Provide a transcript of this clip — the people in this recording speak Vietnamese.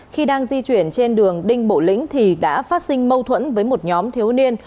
khi đang di chuyển trên đường đinh bộ lĩnh thì đã phát sinh mâu thuẫn với một nhóm thiếu niên